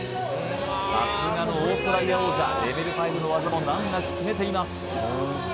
さすがのオーストラリア王者レベル５の技も難なく決めています